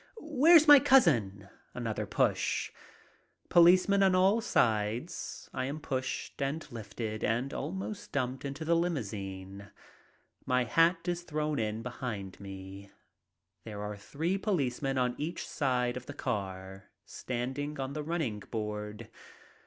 "Where's my cousin?" Another push. Policemen on all sides. I am pushed and lifted and almost dumped into the limousine. My hat is thrown in behind me. There are three policemen on each side of the car, standing on the running board.